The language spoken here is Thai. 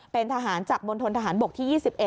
เป็นทหารจากมณฑนทหารบกที่๒๑